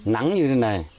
nắng như thế này